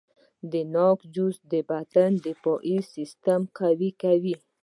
د ناک جوس د بدن دفاعي سیستم قوي کوي.